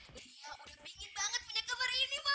dia udah pengen banget punya kamar ini ma